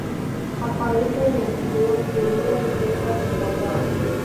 Aparece en el vídeo que Ura intenta restaurar.